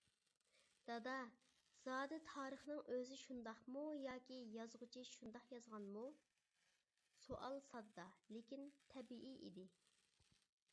دادا، زادى تارىخنىڭ ئۆزى شۇنداقمۇ ياكى يازغۇچى شۇنداق يازغانمۇ ؟ سوئال ساددا، لېكىن تەبىئىي ئىدى.